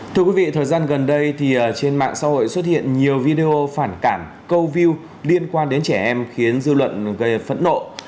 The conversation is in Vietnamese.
thưa quý vị thời gian gần đây trên mạng xã hội xuất hiện nhiều video phản cảm câu view liên quan đến trẻ em khiến dư luận gây phẫn nộ